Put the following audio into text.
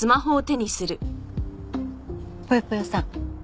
ぽよぽよさん